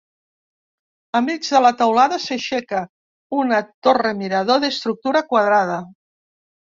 Al mig de la teulada s'aixeca una torre-mirador d'estructura quadrada.